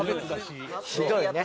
ひどいね。